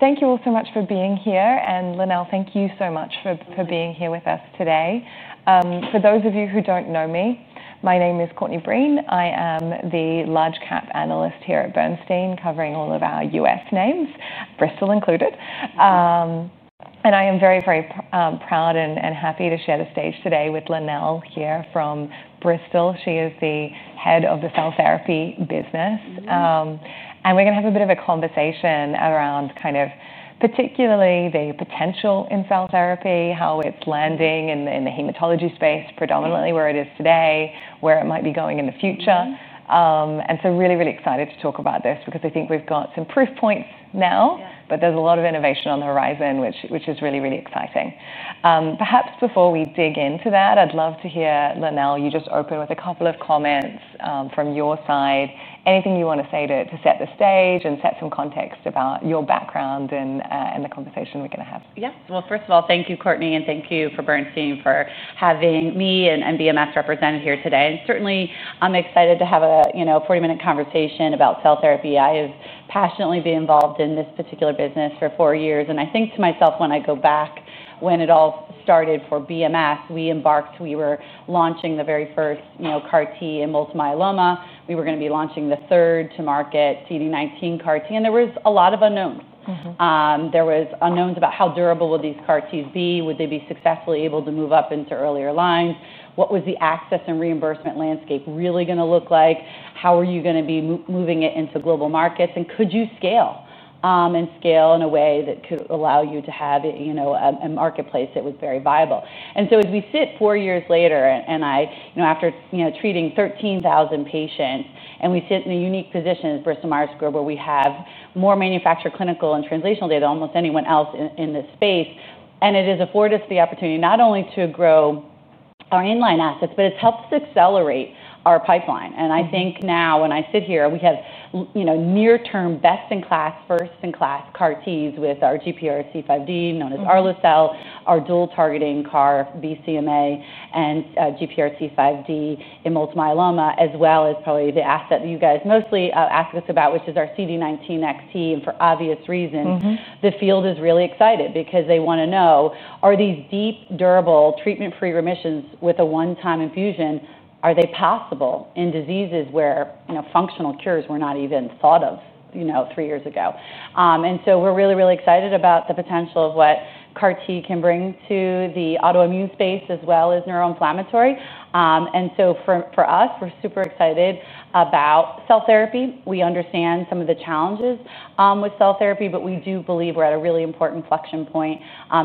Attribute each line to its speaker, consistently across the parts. Speaker 1: Thank you all so much for being here. Lynelle, thank you so much for being here with us today. For those of you who don't know me, my name is Courtney Breen. I am the Large Cap Analyst here at Bernstein covering all of our U.S. names, Bristol included. I am very, very proud and happy to share the stage today with Lynelle here from Bristol. She is the Head of the Cell Therapy business. We're going to have a bit of a conversation around particularly the potential in cell therapy, how it's landing in the hematology space, predominantly where it is today, where it might be going in the future. I am really, really excited to talk about this because I think we've got some proof points now, but there's a lot of innovation on the horizon, which is really, really exciting. Perhaps before we dig into that, I'd love to hear, Lynelle, you just open with a couple of comments from your side. Anything you want to say to set the stage and set some context about your background and the conversation we're going to have?
Speaker 2: First of all, thank you, Courtney, and thank you to Bernstein for having me and Bristol Myers Squibb represented here today. I'm excited to have a 40-minute conversation about cell therapy. I have passionately been involved in this particular business for four years. I think to myself, when I go back, when it all started for Bristol Myers Squibb, we embarked, we were launching the very first CAR T in multiple myeloma. We were going to be launching the third to market CD19 CAR T. There were a lot of unknowns. There were unknowns about how durable would these CAR Ts be, would they be successfully able to move up into earlier lines, what was the access and reimbursement landscape really going to look like, how are you going to be moving it into global markets, and could you scale and scale in a way that could allow you to have a marketplace that was very viable. As we sit four years later, after treating 13,000 patients, we sit in a unique position at Bristol Myers Squibb where we have more manufactured clinical and translational data than almost anyone else in this space. It has afforded us the opportunity not only to grow our inline assets, but it's helped us accelerate our pipeline. I think now when I sit here, we have near-term best-in-class, first-in-class CAR Ts with our GPRC5D known as Orva-cel, our dual-targeting CAR BCMA and GPRC5D in multiple myeloma, as well as probably the asset that you guys mostly ask us about, which is our CD19 Breyanzi. For obvious reasons, the field is really excited because they want to know, are these deep, durable, treatment-free remissions with a one-time infusion, are they possible in diseases where functional cures were not even thought of three years ago? We're really, really excited about the potential of what CAR T can bring to the autoimmune space as well as neuroinflammatory. For us, we're super excited about cell therapy. We understand some of the challenges with cell therapy, but we do believe we're at a really important inflection point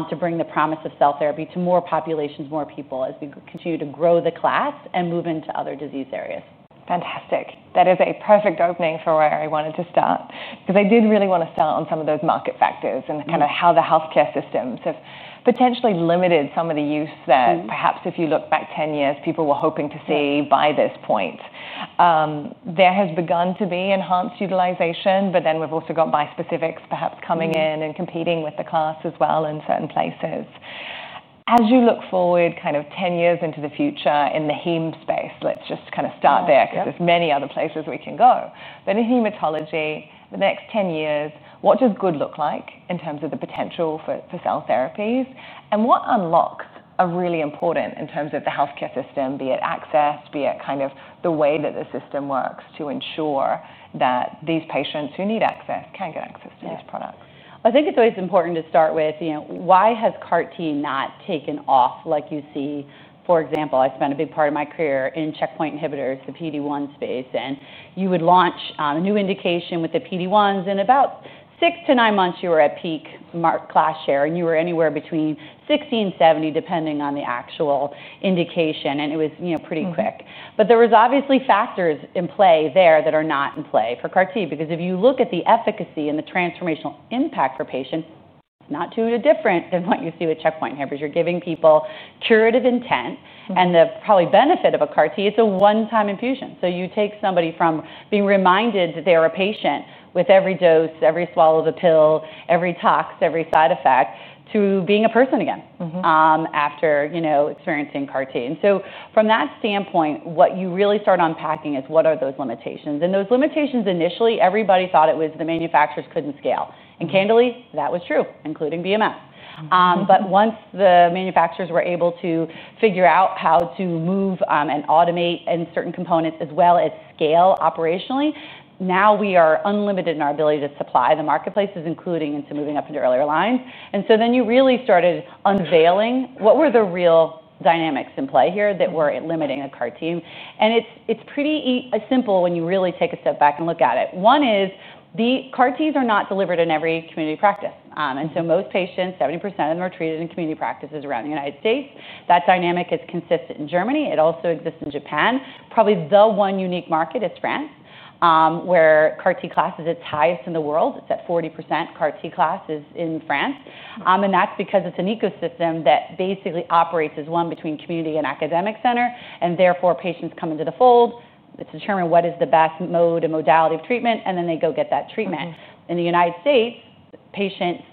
Speaker 2: to bring the promise of cell therapy to more populations, more people as we continue to grow the class and move into other disease areas.
Speaker 1: Fantastic. That is a perfect opening for where I wanted to start because I did really want to start on some of those market factors and kind of how the healthcare systems have potentially limited some of the use that perhaps if you look back 10 years, people were hoping to see by this point. There has begun to be enhanced utilization, but then we've also got bispecifics perhaps coming in and competing with the class as well in certain places. As you look forward 10 years into the future in the heme space, let's just start there because there are many other places we can go. In hematology, the next 10 years, what does good look like in terms of the potential for cell therapies? What unlocks are really important in terms of the healthcare system, be it access, be it the way that the system works to ensure that these patients who need access can get access to these products?
Speaker 2: I think it's always important to start with, you know, why has CAR T not taken off like you see? For example, I spent a big part of my career in checkpoint inhibitors, the PD-1 space. You would launch a new indication with the PD-1s. In about six to nine months, you were at peak market class share, and you were anywhere between 60% and 70%, depending on the actual indication. It was pretty quick. There were obviously factors in play there that are not in play for CAR T because if you look at the efficacy and the transformational impact for patients, not too different than what you see with checkpoint inhibitors. You're giving people curative intent and the probably benefit of a CAR T, it's a one-time infusion. You take somebody from being reminded that they are a patient with every dose, every swallow of a pill, every tox, every side effect, to being a person again, after, you know, experiencing CAR T. From that standpoint, what you really start unpacking is what are those limitations? Those limitations, initially, everybody thought it was the manufacturers couldn't scale. Candidly, that was true, including Bristol Myers Squibb. Once the manufacturers were able to figure out how to move and automate certain components, as well as scale operationally, now we are unlimited in our ability to supply the marketplaces, including into moving up into earlier lines. You really started unveiling what were the real dynamics in play here that were limiting a CAR T. It's pretty simple when you really take a step back and look at it. One is the CAR Ts are not delivered in every community practice, and so most patients, 70% of them, are treated in community practices around the United States. That dynamic is consistent in Germany. It also exists in Japan. Probably the one unique market is France, where CAR T class is its highest in the world. It's at 40% CAR T class in France, and that's because it's an ecosystem that basically operates as one between community and academic center. Therefore, patients come into the fold. It's determined what is the best mode and modality of treatment, and then they go get that treatment. In the United States,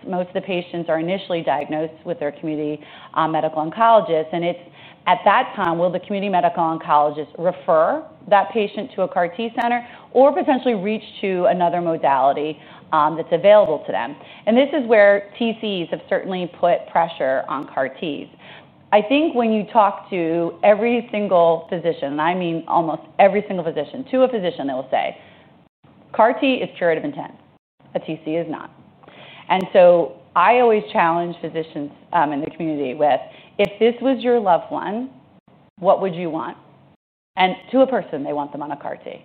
Speaker 2: most of the patients are initially diagnosed with their community medical oncologists. It's at that time, will the community medical oncologist refer that patient to a CAR T center or potentially reach to another modality that's available to them? This is where TCs have certainly put pressure on CAR Ts. I think when you talk to every single physician, and I mean almost every single physician, to a physician, they will say, CAR T is curative intent. A TC is not. I always challenge physicians in the community with, if this was your loved one, what would you want? To a person, they want them on a CAR T.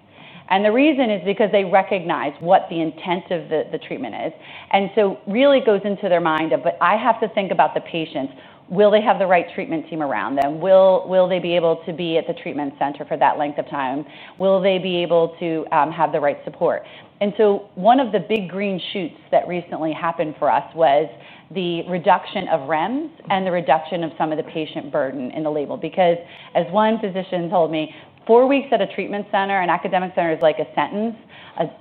Speaker 2: The reason is because they recognize what the intent of the treatment is. It really goes into their mind of, but I have to think about the patients. Will they have the right treatment team around them? Will they be able to be at the treatment center for that length of time? Will they be able to have the right support? One of the big green shoots that recently happened for us was the reduction of REMS and the reduction of some of the patient burden in the label. As one physician told me, four weeks at a treatment center, an academic center is like a sentence,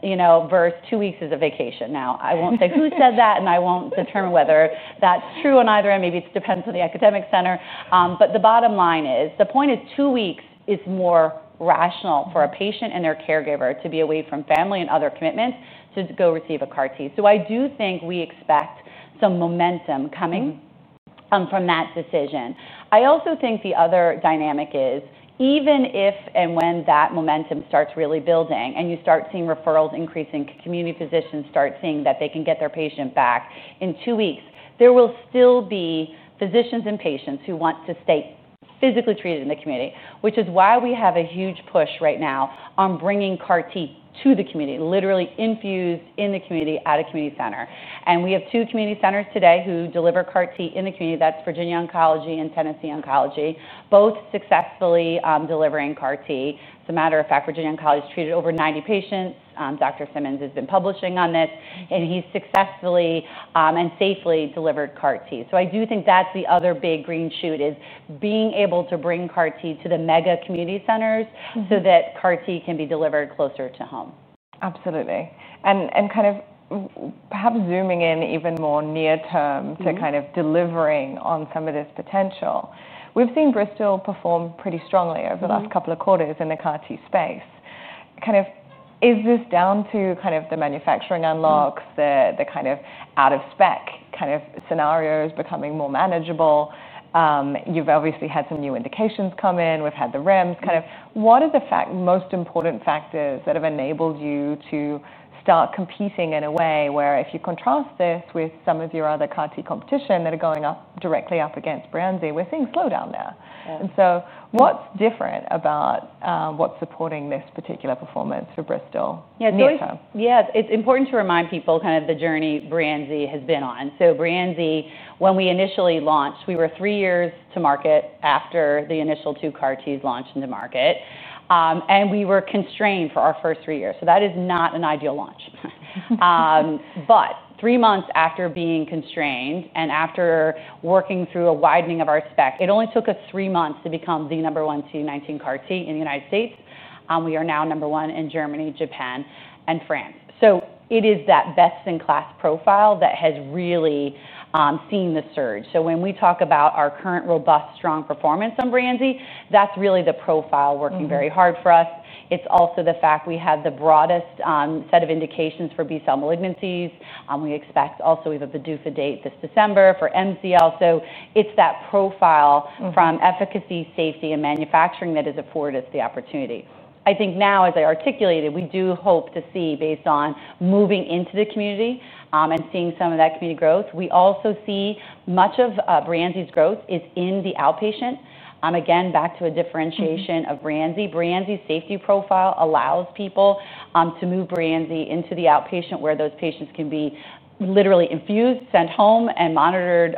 Speaker 2: you know, versus two weeks is a vacation. I won't say who said that, and I won't determine whether that's true on either end. Maybe it depends on the academic center. The bottom line is, the point is two weeks is more rational for a patient and their caregiver to be away from family and other commitments to go receive a CAR T. I do think we expect some momentum coming from that decision. I also think the other dynamic is, even if and when that momentum starts really building and you start seeing referrals increasing, community physicians start seeing that they can get their patient back in two weeks, there will still be physicians and patients who want to stay physically treated in the community, which is why we have a huge push right now on bringing CAR T to the community, literally infused in the community at a community center. We have two community centers today who deliver CAR T in the community. That's Virginia Oncology and Tennessee Oncology, both successfully delivering CAR T. As a matter of fact, Virginia Oncology has treated over 90 patients. Dr. Simmons has been publishing on this, and he's successfully and safely delivered CAR T. I do think that's the other big green shoot is being able to bring CAR T to the mega community centers so that CAR T can be delivered closer to home.
Speaker 1: Absolutely. And kind of perhaps zooming in even more near term to kind of delivering on some of this potential, we've seen Bristol Myers Squibb perform pretty strongly over the last couple of quarters in the CAR T space. Is this down to the manufacturing unlocks, the out-of-spec scenarios becoming more manageable? You've obviously had some new indications come in. We've had the REMS label updates. What are the most important factors that have enabled you to start competing in a way where if you contrast this with some of your other CAR T competition that are going directly up against Breyanzi, where things slow down there? What's different about what's supporting this particular performance for Bristol Myers Squibb near term?
Speaker 2: Yeah, it's important to remind people kind of the journey Breyanzi has been on. So Breyanzi, when we initially launched, we were three years to market after the initial two CAR Ts launched into market, and we were constrained for our first three years. That is not an ideal launch, but three months after being constrained and after working through a widening of our spec, it only took us three months to become the number one CD19 CAR T in the U.S. We are now number one in Germany, Japan, and France. It is that best-in-class profile that has really seen the surge. When we talk about our current robust, strong performance on Breyanzi, that's really the profile working very hard for us. It's also the fact we have the broadest set of indications for B-cell malignancies. We expect also we have the DUFA date this December for MZL. It's that profile from efficacy, safety, and manufacturing that has afforded us the opportunity. I think now, as I articulated, we do hope to see, based on moving into the community, and seeing some of that community growth. We also see much of Breyanzi's growth is in the outpatient. Again, back to a differentiation of Breyanzi. Breyanzi's safety profile allows people to move Breyanzi into the outpatient where those patients can be literally infused, sent home, and monitored,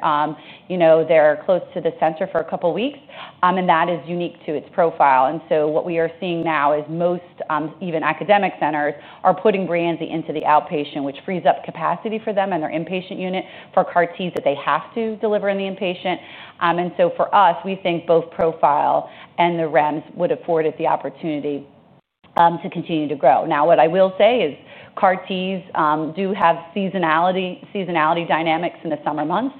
Speaker 2: you know, they're close to the center for a couple of weeks. That is unique to its profile. What we are seeing now is most, even academic centers are putting Breyanzi into the outpatient, which frees up capacity for them in their inpatient unit for CAR Ts that they have to deliver in the inpatient. For us, we think both profile and the REMS would afford it the opportunity to continue to grow. What I will say is CAR Ts do have seasonality dynamics in the summer months.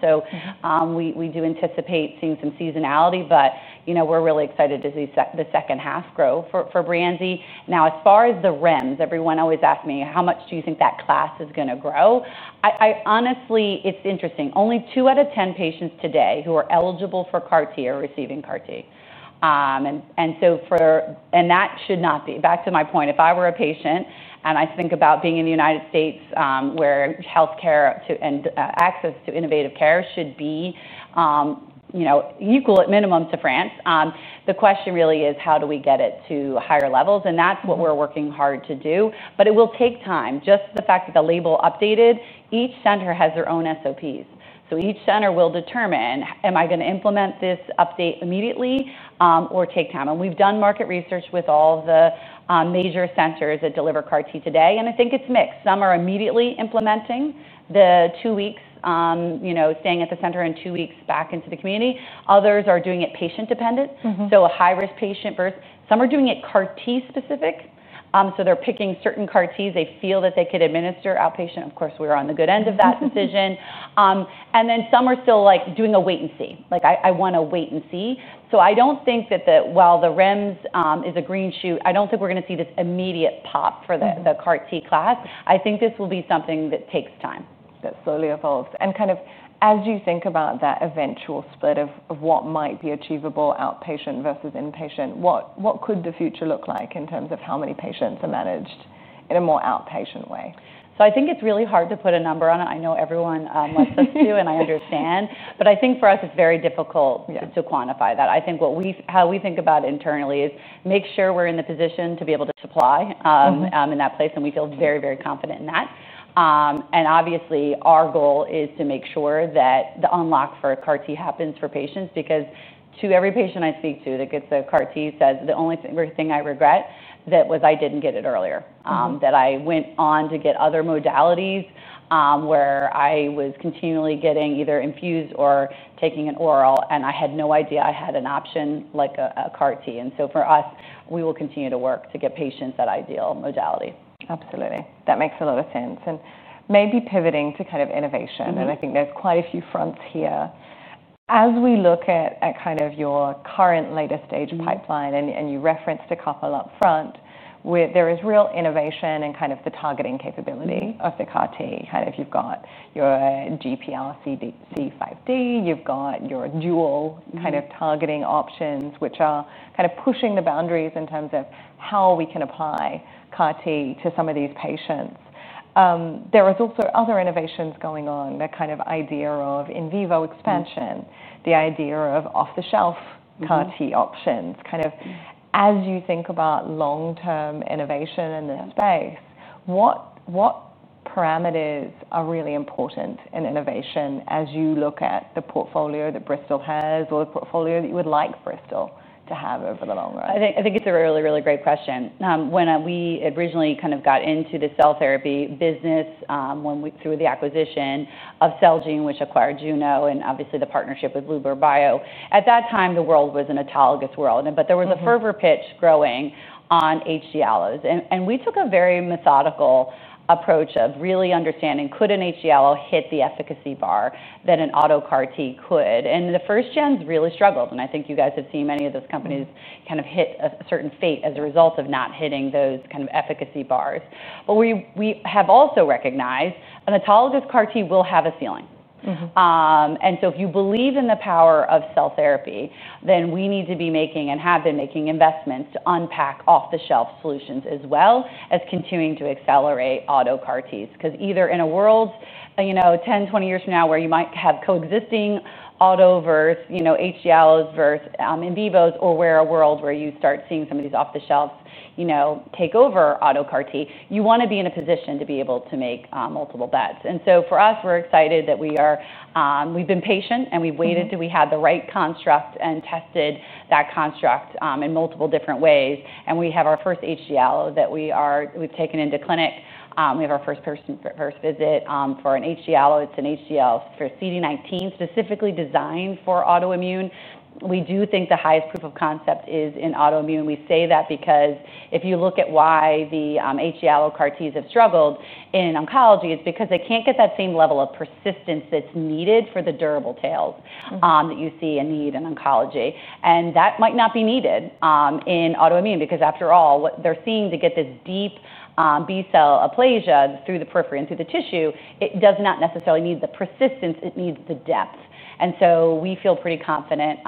Speaker 2: We do anticipate seeing some seasonality, but, you know, we're really excited to see the second half grow for Breyanzi. As far as the REMS, everyone always asks me, how much do you think that class is going to grow? Honestly, it's interesting. Only 2 out of 10 patients today who are eligible for CAR T are receiving CAR T, and that should not be, back to my point, if I were a patient and I think about being in the U.S., where healthcare and access to innovative care should be, you know, equal at minimum to France. The question really is, how do we get it to higher levels? That's what we're working hard to do. It will take time. Just the fact that the label updated, each center has their own SOPs. Each center will determine, am I going to implement this update immediately, or take time? We've done market research with all of the major centers that deliver CAR T today. I think it's mixed. Some are immediately implementing the two weeks, you know, staying at the center and two weeks back into the community. Others are doing it patient-dependent. A high-risk patient versus some are doing it CAR T specific, so they're picking certain CAR Ts they feel that they could administer outpatient. Of course, we're on the good end of that decision. Some are still doing a wait and see, like I want to wait and see. I don't think that while the REMS is a green shoot, we're going to see this immediate pop for the CAR T class. I think this will be something that takes time.
Speaker 1: That slowly evolves. As you think about that eventual split of what might be achievable outpatient versus inpatient, what could the future look like in terms of how many patients are managed in a more outpatient way?
Speaker 2: I think it's really hard to put a number on it. I know everyone wants us to, and I understand. I think for us, it's very difficult to quantify that. What we, how we think about internally is make sure we're in the position to be able to supply, in that place. We feel very, very confident in that. Obviously, our goal is to make sure that the unlock for CAR T happens for patients. To every patient I speak to that gets a CAR T, they say the only thing I regret was I didn't get it earlier, that I went on to get other modalities, where I was continually getting either infused or taking an oral, and I had no idea I had an option like a CAR T. For us, we will continue to work to get patients that ideal modality.
Speaker 1: Absolutely. That makes a lot of sense. Maybe pivoting to innovation, I think there's quite a few fronts here. As we look at your current latest stage pipeline, and you referenced a couple up front, there is real innovation in the targeting capability of the CAR T. You've got your GPRC5D, you've got your dual targeting options, which are pushing the boundaries in terms of how we can apply CAR T to some of these patients. There are also other innovations going on, the idea of in vivo expansion, the idea of off-the-shelf CAR T options. As you think about long-term innovation in this space, what parameters are really important in innovation as you look at the portfolio that Bristol Myers Squibb has or the portfolio that you would like Bristol Myers Squibb to have over the long run?
Speaker 2: I think it's a really, really great question. When we originally kind of got into the cell therapy business, when we, through the acquisition of Celgene, which acquired Juno and obviously the partnership with Bluebird Bio, at that time, the world was an autologous world. There was a fervor pitch growing on allogeneics. We took a very methodical approach of really understanding, could an allo hit the efficacy bar that an auto CAR T could? The first gens really struggled. I think you guys have seen many of those companies kind of hit a certain fate as a result of not hitting those kinds of efficacy bars. We have also recognized an autologous CAR T will have a ceiling. If you believe in the power of cell therapy, then we need to be making and have been making investments to unpack off-the-shelf solutions as well as continuing to accelerate auto CAR Ts. In a world, you know, 10, 20 years from now, where you might have coexisting auto versus, you know, allos versus in vivos, or a world where you start seeing some of these off-the-shelf, you know, take over auto CAR T, you want to be in a position to be able to make multiple bets. For us, we're excited that we are, we've been patient and we've waited till we had the right construct and tested that construct in multiple different ways. We have our first allo that we've taken into clinic. We have our first person, first visit for an allo. It's an allo for CD19 specifically designed for autoimmune. We do think the highest proof of concept is in autoimmune. We say that because if you look at why the allo CAR Ts have struggled in oncology, it's because they can't get that same level of persistence that's needed for the durable tail that you see a need in oncology. That might not be needed in autoimmune. After all, what they're seeing to get this deep B-cell aplasia through the periphery and through the tissue, it does not necessarily need the persistence. It needs the depth. We feel pretty confident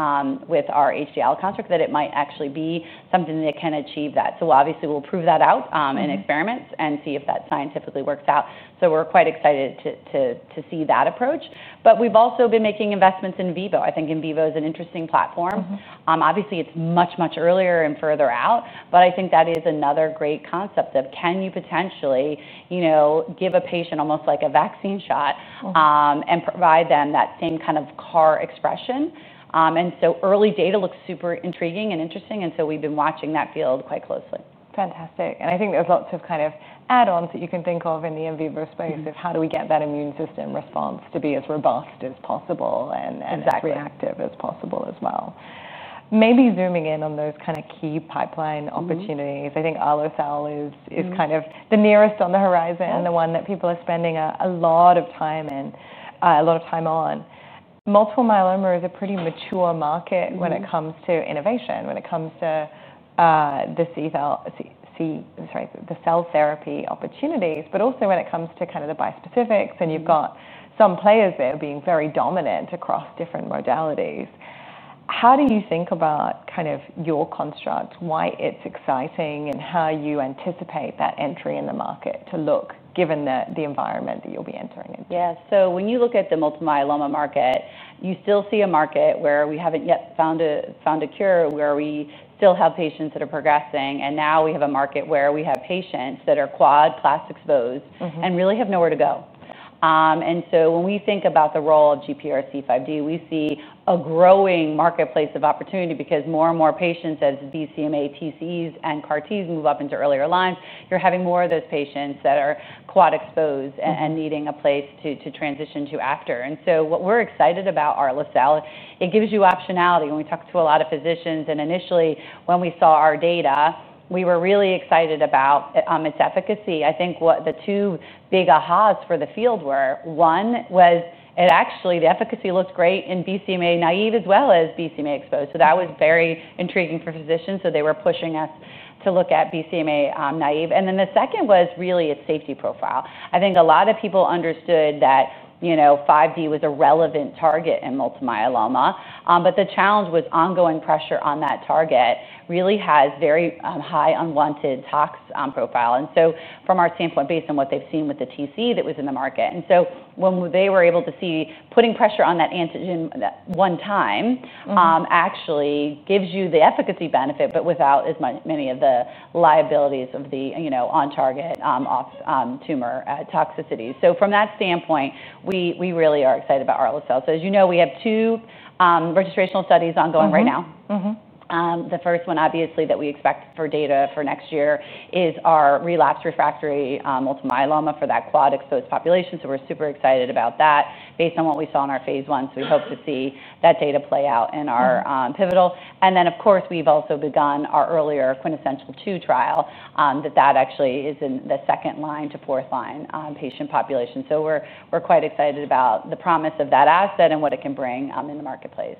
Speaker 2: with our allo construct that it might actually be something that can achieve that. Obviously, we'll prove that out in experiments and see if that scientifically works out. We're quite excited to see that approach. We've also been making investments in vivo. I think in vivo is an interesting platform. Obviously, it's much, much earlier and further out. I think that is another great concept of can you potentially, you know, give a patient almost like a vaccine shot, and provide them that same kind of CAR expression. Early data looks super intriguing and interesting. We've been watching that field quite closely.
Speaker 1: Fantastic. I think there's lots of kind of add-ons that you can think of in the in vivo space of how do we get that immune system response to be as robust as possible and as reactive as possible as well. Maybe zooming in on those kind of key pipeline opportunities, I think Orva-cel is kind of the nearest on the horizon, the one that people are spending a lot of time in, a lot of time on. Multiple myeloma is a pretty mature market when it comes to innovation, when it comes to the cell therapy opportunities, but also when it comes to kind of the bispecifics. You've got some players there being very dominant across different modalities. How do you think about kind of your construct, why it's exciting, and how you anticipate that entry in the market to look given the environment that you'll be entering in?
Speaker 2: Yeah, so when you look at the multiple myeloma market, you still see a market where we haven't yet found a cure, where we still have patients that are progressing. You now have a market where we have patients that are quad class exposed and really have nowhere to go. When we think about the role of GPRC5D, we see a growing marketplace of opportunity because more and more patients, as BCMA TCs and CAR Ts move up into earlier lines, you're having more of those patients that are quad exposed and needing a place to transition to after. What we're excited about, Orva-cel, it gives you optionality. When we talk to a lot of physicians, and initially when we saw our data, we were really excited about its efficacy. I think what the two big ahas for the field were, one was it actually, the efficacy looked great in BCMA naive as well as BCMA exposed. That was very intriguing for physicians. They were pushing us to look at BCMA naive. The second was really its safety profile. I think a lot of people understood that, you know, 5D was a relevant target in multiple myeloma. The challenge was ongoing pressure on that target really has very high unwanted tox profile. From our standpoint, based on what they've seen with the TC that was in the market. When they were able to see putting pressure on that antigen one time, actually gives you the efficacy benefit, but without as many of the liabilities of the, you know, on target, off tumor toxicity. From that standpoint, we really are excited about Orva-cel. As you know, we have two registrational studies ongoing right now. The first one, obviously, that we expect for data for next year is our relapse refractory multiple myeloma for that quad exposed population. We're super excited about that based on what we saw in our phase one. We hope to see that data play out in our pivotal. Of course, we've also begun our earlier quintessential two trial, that actually is in the second line to fourth line patient population. We're quite excited about the promise of that asset and what it can bring in the marketplace.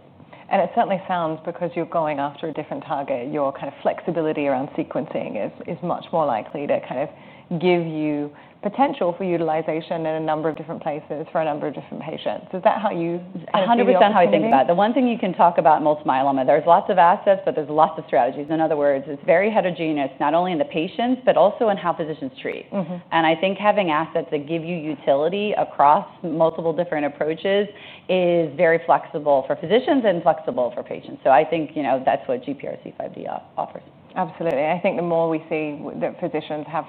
Speaker 1: It certainly sounds because you're going after a different target, your kind of flexibility around sequencing is much more likely to kind of give you potential for utilization in a number of different places for a number of different patients. Is that how you see it?
Speaker 2: 100% how I think about it. The one thing you can talk about with multiple myeloma, there's lots of assets, but there's lots of strategies. In other words, it's very heterogeneous, not only in the patients, but also in how physicians treat. I think having assets that give you utility across multiple different approaches is very flexible for physicians and flexible for patients. I think that's what GPRC5D offers.
Speaker 1: Absolutely. I think the more we see that physicians have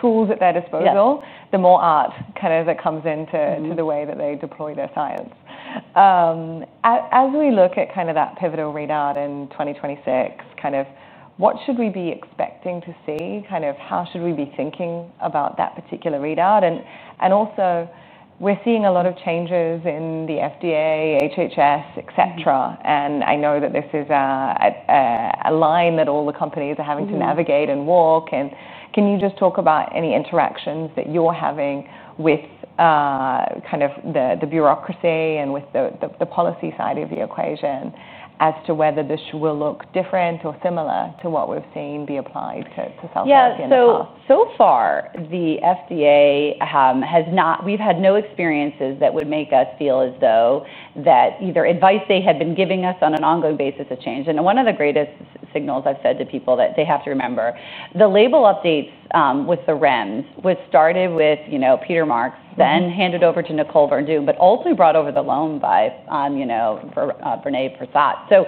Speaker 1: tools at their disposal, the more art kind of that comes into the way that they deploy their science. As we look at that pivotal readout in 2026, what should we be expecting to see? How should we be thinking about that particular readout? We're seeing a lot of changes in the FDA, HHS, et cetera. I know that this is a line that all the companies are having to navigate and walk. Can you just talk about any interactions that you're having with the bureaucracy and with the policy side of the equation as to whether this will look different or similar to what we've seen be applied to cell therapy?
Speaker 2: Yeah, so far, the FDA has not, we've had no experiences that would make us feel as though that either advice they had been giving us on an ongoing basis has changed. One of the greatest signals I've said to people that they have to remember, the label updates with the REMS was started with, you know, Peter Marks, then handed over to Nicole Verdun, but ultimately brought over the loan by, you know, for Brene Persaud.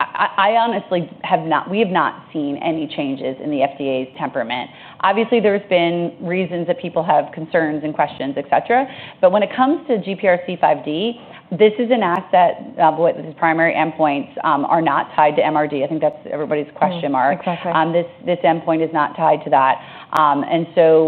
Speaker 2: I honestly have not, we have not seen any changes in the FDA's temperament. Obviously, there's been reasons that people have concerns and questions, et cetera. When it comes to GPRC5D, this is an asset, boy, these primary endpoints are not tied to MRD. I think that's everybody's question mark.
Speaker 1: Exactly.
Speaker 2: This endpoint is not tied to that.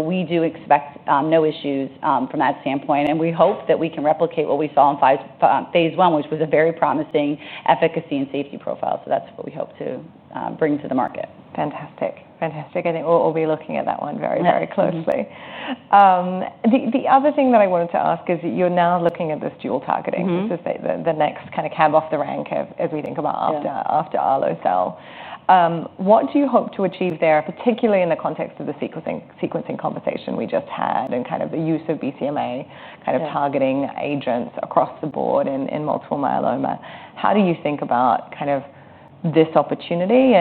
Speaker 2: We do expect no issues from that standpoint, and we hope that we can replicate what we saw in phase one, which was a very promising efficacy and safety profile. That's what we hope to bring to the market.
Speaker 1: Fantastic. Fantastic. I think we'll be looking at that one very, very closely. The other thing that I wanted to ask is that you're now looking at this dual-targeting. This is the next kind of cab off the rank as we think about after Orva-cel. What do you hope to achieve there, particularly in the context of the sequencing conversation we just had and kind of the use of BCMA kind of targeting agents across the board in multiple myeloma? How do you think about kind of this opportunity?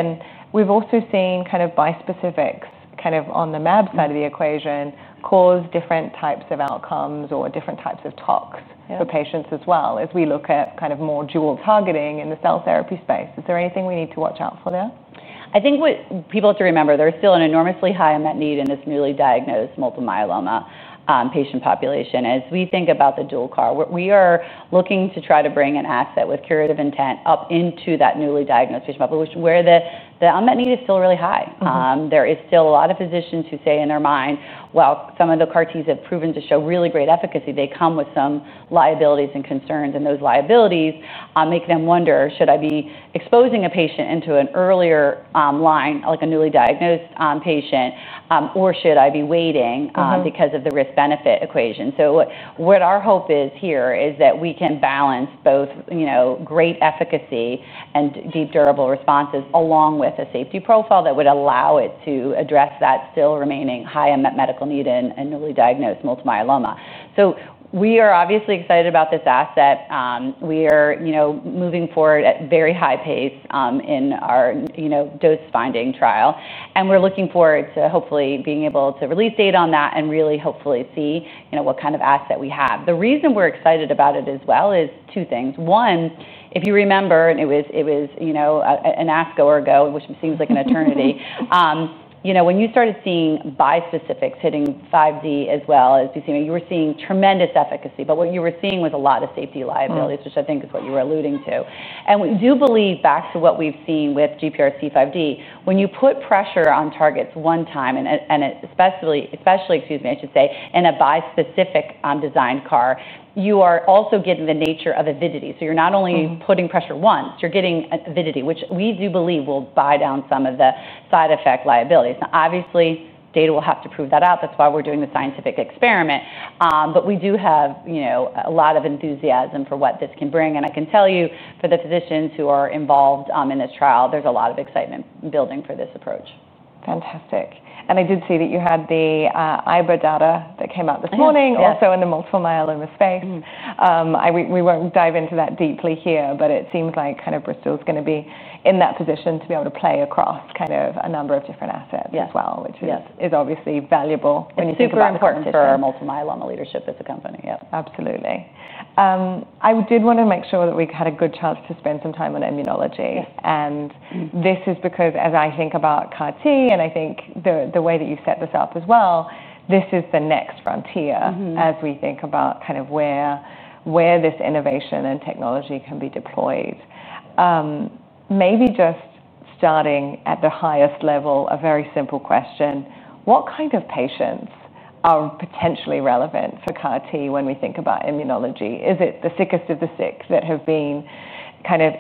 Speaker 1: We've also seen kind of bispecifics on the MAB side of the equation cause different types of outcomes or different types of tox for patients as well as we look at more dual-targeting in the cell therapy space. Is there anything we need to watch out for there?
Speaker 2: I think what people have to remember, there's still an enormously high unmet need in this newly diagnosed multiple myeloma patient population. As we think about the dual CAR, we are looking to try to bring an asset with curative intent up into that newly diagnosed patient population, where the unmet need is still really high. There are still a lot of physicians who say in their mind, some of the CAR Ts have proven to show really great efficacy. They come with some liabilities and concerns, and those liabilities make them wonder, should I be exposing a patient into an earlier line, like a newly diagnosed patient, or should I be waiting because of the risk-benefit equation? What our hope is here is that we can balance both great efficacy and deep durable responses along with a safety profile that would allow it to address that still remaining high unmet medical need in newly diagnosed multiple myeloma. We are obviously excited about this asset. We are moving forward at a very high pace in our dose finding trial. We're looking forward to hopefully being able to release data on that and really hopefully see what kind of asset we have. The reason we're excited about it as well is two things. One, if you remember, and it was an ask or a go, which seems like an eternity, when you started seeing bispecifics hitting GPRC5D as well as BCMA, you were seeing tremendous efficacy. What you were seeing was a lot of safety liabilities, which I think is what you were alluding to. We do believe back to what we've seen with GPRC5D, when you put pressure on targets one time, and especially in a bispecific design CAR, you are also getting the nature of avidity. You're not only putting pressure once, you're getting avidity, which we do believe will buy down some of the side effect liabilities. Obviously, data will have to prove that out. That's why we're doing the scientific experiment. We do have a lot of enthusiasm for what this can bring. I can tell you for the physicians who are involved in this trial, there's a lot of excitement building for this approach.
Speaker 1: Fantastic. I did see that you had the IBRA data that came out this morning, also in the multiple myeloma space. We won't dive into that deeply here, but it seems like Bristol Myers Squibb is going to be in that position to be able to play across a number of different assets as well, which is obviously valuable.
Speaker 2: It's super important for multiple myeloma leadership as a company.
Speaker 1: Absolutely. I did want to make sure that we had a good chance to spend some time on immunology. This is because as I think about CAR T and I think the way that you've set this up as well, this is the next frontier as we think about where this innovation and technology can be deployed. Maybe just starting at the highest level, a very simple question. What kind of patients are potentially relevant for CAR T when we think about immunology? Is it the sickest of the sick that have been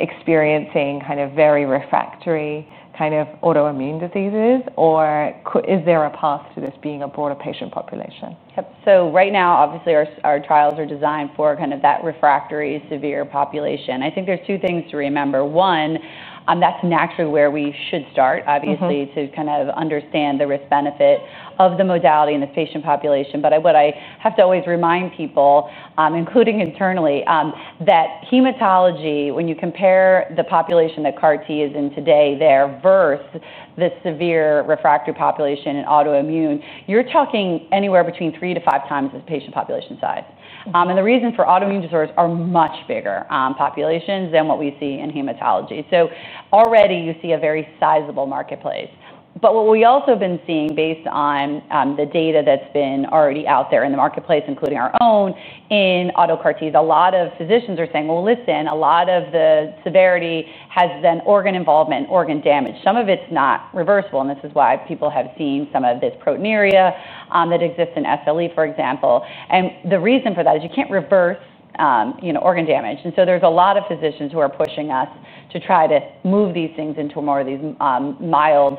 Speaker 1: experiencing very refractory autoimmune diseases, or is there a path to this being a broader patient population?
Speaker 2: Yep. Right now, obviously, our trials are designed for kind of that refractory severe population. I think there's two things to remember. One, that's naturally where we should start, obviously, to kind of understand the risk-benefit of the modality in this patient population. What I have to always remind people, including internally, is that hematology, when you compare the population that CAR T is in today versus the severe refractory population in autoimmune, you're talking anywhere between three to five times this patient population size. The reason is autoimmune disorders are much bigger populations than what we see in hematology. Already you see a very sizable marketplace. What we also have been seeing based on the data that's been already out there in the marketplace, including our own, in auto CAR Ts, is a lot of physicians are saying, listen, a lot of the severity has been organ involvement, organ damage. Some of it's not reversible, and this is why people have seen some of this proteinuria that exists in SLE, for example. The reason for that is you can't reverse organ damage. There are a lot of physicians who are pushing us to try to move these things into more of these mild,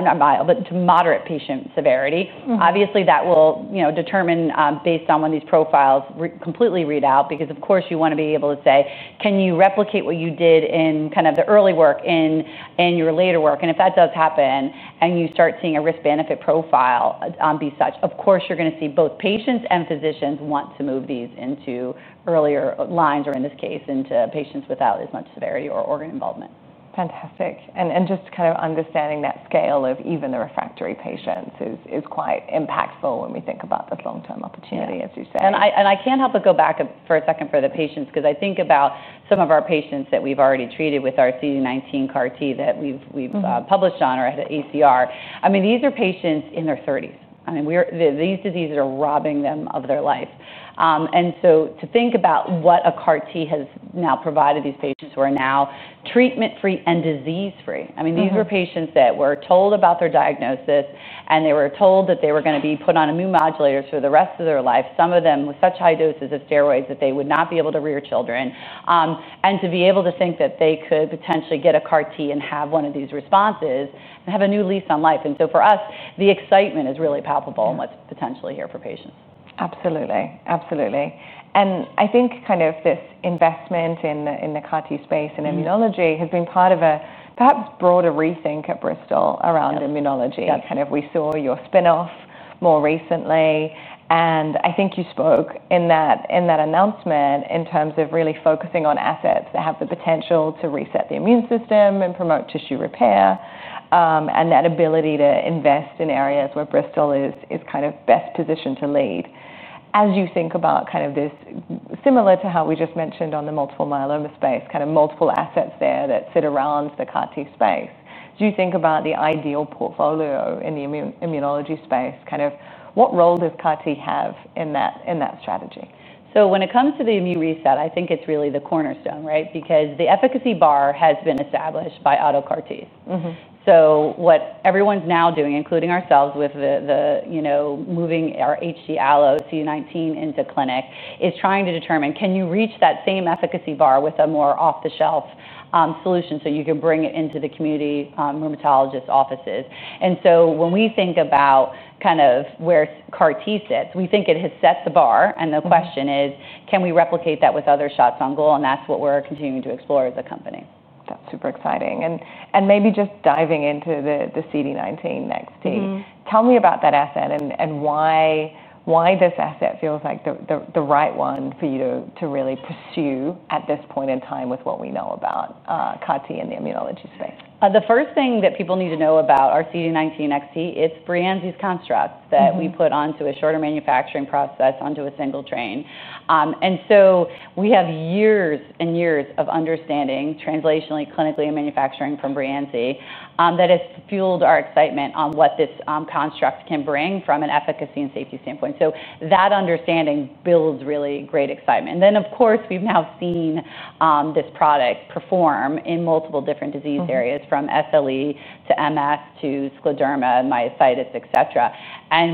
Speaker 2: not mild, but to moderate patient severity. Obviously, that will determine based on when these profiles completely read out, because of course you want to be able to say, can you replicate what you did in kind of the early work in your later work? If that does happen, and you start seeing a risk-benefit profile be such, of course you're going to see both patients and physicians want to move these into earlier lines, or in this case, into patients without as much severity or organ involvement.
Speaker 1: Fantastic. Just kind of understanding that scale of even the refractory patients is quite impactful when we think about this long-term opportunity, as you say.
Speaker 2: I can't help but go back for a second for the patients, because I think about some of our patients that we've already treated with our CD19 CAR T that we've published on or had an ACR. These are patients in their 30s. These diseases are robbing them of their life. To think about what a CAR T has now provided these patients who are now treatment-free and disease-free. These were patients that were told about their diagnosis, and they were told that they were going to be put on immune modulators for the rest of their life. Some of them with such high doses of steroids that they would not be able to rear children. To be able to think that they could potentially get a CAR T and have one of these responses and have a new lease on life. For us, the excitement is really palpable and what's potentially here for patients.
Speaker 1: Absolutely. Absolutely. I think this investment in the CAR T space and immunology has been part of a perhaps broader rethink at Bristol Myers Squibb around immunology. We saw your spin-off more recently. I think you spoke in that announcement in terms of really focusing on assets that have the potential to reset the immune system and promote tissue repair, and that ability to invest in areas where Bristol Myers Squibb is best positioned to lead. As you think about this, similar to how we just mentioned on the multiple myeloma space, there are multiple assets that sit around the CAR T space. Do you think about the ideal portfolio in the immunology space? What role does CAR T have in that strategy?
Speaker 2: When it comes to the immune reset, I think it's really the cornerstone, right? The efficacy bar has been established by auto CAR Ts. What everyone's now doing, including ourselves with moving our allo CD19 into clinic, is trying to determine, can you reach that same efficacy bar with a more off-the-shelf solution so you can bring it into the community rheumatologist offices? When we think about kind of where CAR T sits, we think it has set the bar. The question is, can we replicate that with other shots on goal? That's what we're continuing to explore as a company.
Speaker 1: That's super exciting. Maybe just diving into the CD19 Next T, tell me about that asset and why this asset feels like the right one for you to really pursue at this point in time with what we know about CAR T in the immunology space.
Speaker 2: The first thing that people need to know about our CD19 Next T, it's Breyanzi's construct that we put onto a shorter manufacturing process onto a single train. We have years and years of understanding translationally, clinically, and manufacturing from Breyanzi that has fueled our excitement on what this construct can bring from an efficacy and safety standpoint. That understanding builds really great excitement. We've now seen this product perform in multiple different disease areas from SLE to MS to scleroderma, myositis, et cetera.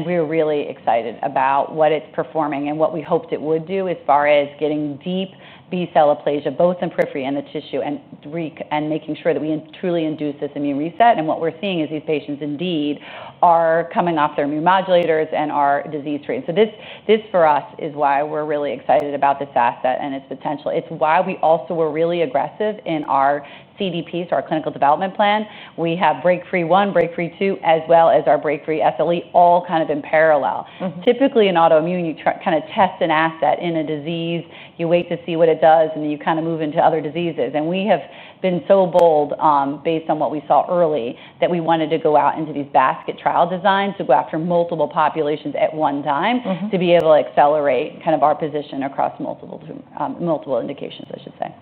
Speaker 2: We're really excited about what it's performing and what we hoped it would do as far as getting deep B-cell aplasia both in periphery and the tissue and making sure that we truly induce this immune reset. What we're seeing is these patients indeed are coming off their immune modulators and are disease-free. This, for us, is why we're really excited about this asset and its potential. It's why we also were really aggressive in our CDP, so our clinical development plan. We have Break Free 1, Break Free 2, as well as our Break Free SLE, all kind of in parallel. Typically, in autoimmune, you kind of test an asset in a disease, you wait to see what it does, and you kind of move into other diseases. We have been so bold based on what we saw early that we wanted to go out into these basket trial designs to go after multiple populations at one time to be able to accelerate kind of our position across multiple indications, I should say.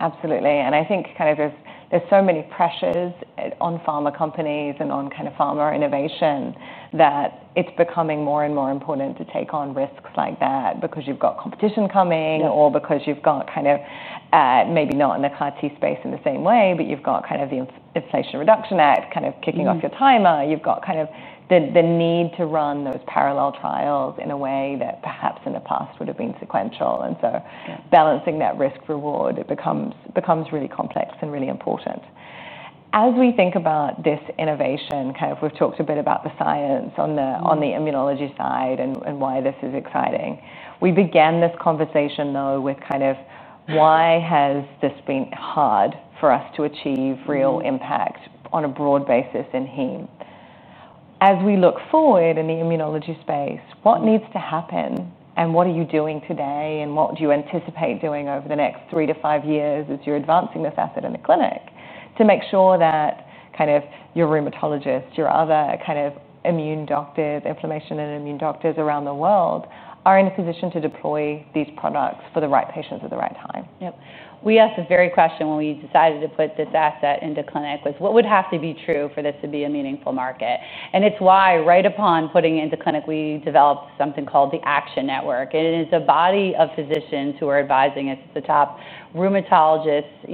Speaker 1: Absolutely. I think there's so many pressures on pharma companies and on pharma innovation that it's becoming more and more important to take on risks like that because you've got competition coming or because you've got maybe not in the CAR T space in the same way, but you've got the Inflation Reduction Act kicking off your timer. You've got the need to run those parallel trials in a way that perhaps in the past would have been sequential. Balancing that risk-reward becomes really complex and really important. As we think about this innovation, we've talked a bit about the science on the immunology side and why this is exciting. We began this conversation though with why has this been hard for us to achieve real impact on a broad basis in hematology. As we look forward in the immunology space, what needs to happen and what are you doing today and what do you anticipate doing over the next three to five years as you're advancing this asset in the clinic to make sure that your rheumatologists, your other immune doctors, inflammation and immune doctors around the world are in a position to deploy these products for the right patients at the right time?
Speaker 2: Yep. We asked a very question when we decided to put that asset into clinic was what would have to be true for this to be a meaningful market. It's why right upon putting it into clinic, we developed something called the Action Network. It is a body of physicians who are advising at the top, rheumatologists,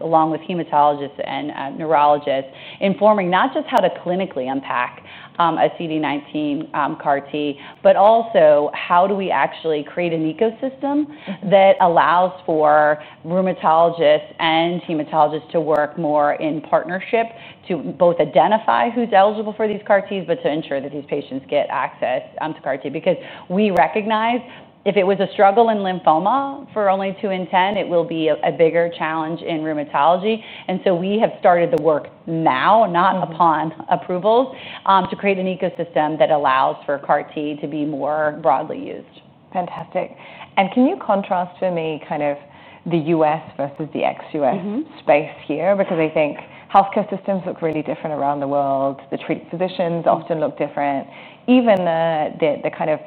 Speaker 2: along with hematologists and neurologists, informing not just how to clinically unpack a CD19 CAR T, but also how do we actually create an ecosystem that allows for rheumatologists and hematologists to work more in partnership to both identify who's eligible for these CAR Ts, but to ensure that these patients get access to CAR Ts. We recognize if it was a struggle in lymphoma for only two in ten, it will be a bigger challenge in rheumatology. We have started the work now, not upon approvals, to create an ecosystem that allows for CAR T to be more broadly used.
Speaker 1: Fantastic. Can you contrast for me kind of the U.S. versus the ex-U.S. space here? I think healthcare systems look really different around the world. The treating physicians often look different. Even the kind of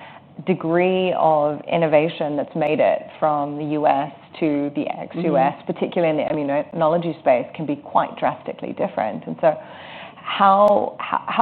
Speaker 1: degree of innovation that's made it from the U.S. to the ex-U.S., particularly in the immunology space, can be quite drastically different. How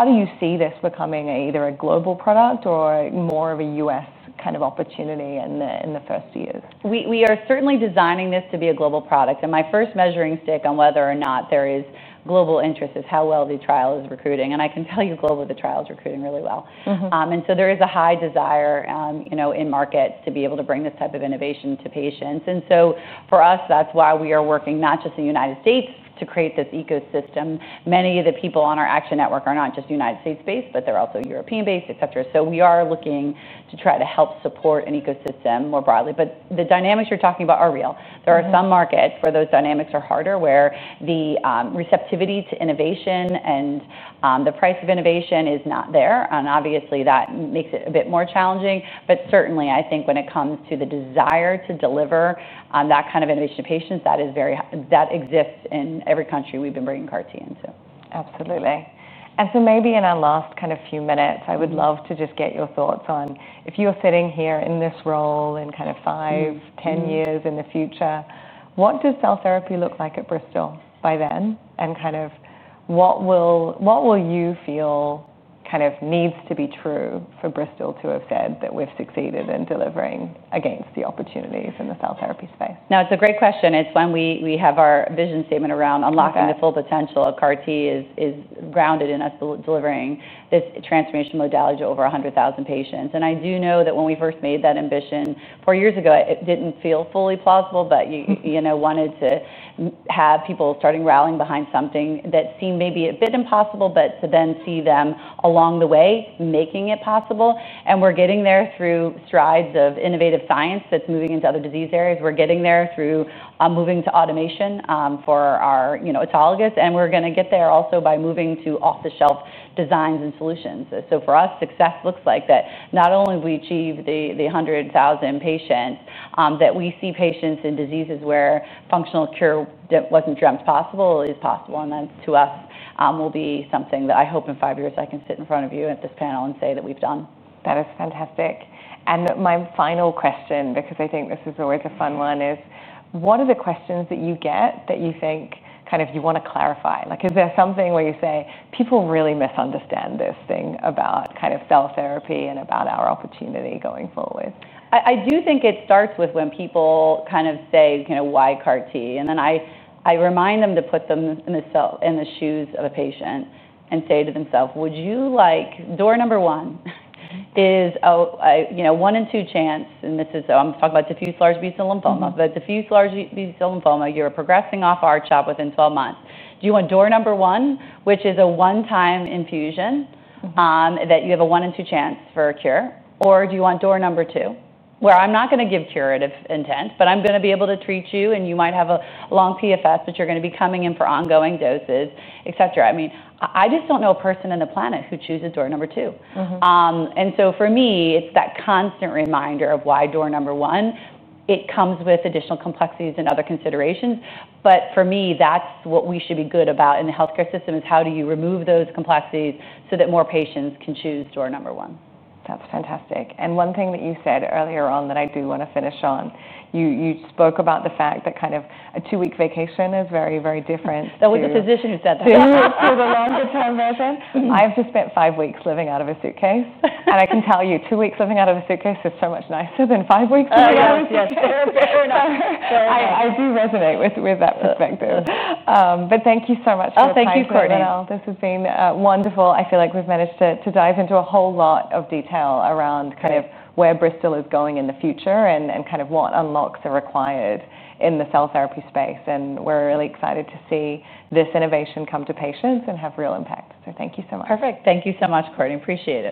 Speaker 1: do you see this becoming either a global product or more of a U.S. kind of opportunity in the first years?
Speaker 2: We are certainly designing this to be a global product. My first measuring stick on whether or not there is global interest is how well the trial is recruiting. I can tell you globally, the trial is recruiting really well, so there is a high desire, you know, in markets to be able to bring this type of innovation to patients. For us, that's why we are working not just in the United States to create this ecosystem. Many of the people on our Action Network are not just United States based, but they're also European based, et cetera. We are looking to try to help support an ecosystem more broadly. The dynamics you're talking about are real. There are some markets where those dynamics are harder, where the receptivity to innovation and the price of innovation is not there. Obviously, that makes it a bit more challenging. Certainly, I think when it comes to the desire to deliver that kind of innovation to patients, that exists in every country we've been bringing CAR T into.
Speaker 1: Absolutely. Maybe in our last kind of few minutes, I would love to just get your thoughts on if you're sitting here in this role in kind of five, ten years in the future, what does cell therapy look like at Bristol Myers Squibb by then? What will you feel kind of needs to be true for Bristol Myers Squibb to have said that we've succeeded in delivering against the opportunities in the cell therapy space?
Speaker 2: No, it's a great question. It's when we have our vision statement around unlocking the full potential of CAR T, it is grounded in us delivering this transformation modality to over 100,000 patients. I do know that when we first made that ambition four years ago, it didn't feel fully plausible, but wanted to have people starting rallying behind something that seemed maybe a bit impossible, but to then see them along the way making it possible. We're getting there through strides of innovative science that's moving into other disease areas. We're getting there through moving to automation for our autologous. We're going to get there also by moving to off-the-shelf designs and solutions. For us, success looks like that not only have we achieved the 100,000 patients, that we see patients in diseases where functional cure wasn't dreamt possible, is possible. That to us will be something that I hope in five years I can sit in front of you at this panel and say that we've done.
Speaker 1: That is fantastic. My final question, because I think this is always a fun one, is what are the questions that you get that you think kind of you want to clarify? Is there something where you say people really misunderstand this thing about kind of cell therapy and about our opportunity going forward?
Speaker 2: I do think it starts with when people kind of say, you know, why CAR T? I remind them to put them in the shoes of a patient and say to themselves, would you like, door number one is a one in two chance. This is, I'm talking about diffuse large B-cell lymphoma. If you have diffuse large B-cell lymphoma, you're progressing off R-CHOP within 12 months. Do you want door number one, which is a one-time infusion that you have a one in two chance for a cure? Do you want door number two, where I'm not going to give curative intent, but I'm going to be able to treat you and you might have a long PFS, but you're going to be coming in for ongoing doses, et cetera? I just don't know a person on the planet who chooses door number two. For me, it's that constant reminder of why door number one. It comes with additional complexities and other considerations. For me, that's what we should be good about in the healthcare system is how do you remove those complexities so that more patients can choose door number one?
Speaker 1: That's fantastic. One thing that you said earlier on that I do want to finish on, you spoke about the fact that kind of a two-week vacation is very, very different.
Speaker 2: That was a physician who said that.
Speaker 1: As a longer-term resident, I've just spent five weeks living out of a suitcase. I can tell you, two weeks living out of a suitcase is so much nicer than five weeks living out of a suitcase.
Speaker 2: Yes, fair enough.
Speaker 1: I do resonate with that perspective. Thank you so much for your time, Courtney.
Speaker 2: Thank you, Courtney.
Speaker 1: This has been wonderful. I feel like we've managed to dive into a whole lot of detail around kind of where Bristol Myers Squibb is going in the future and what unlocks are required in the cell therapy space. We're really excited to see this innovation come to patients and have real impact. Thank you so much.
Speaker 2: Perfect. Thank you so much, Courtney. Appreciate it.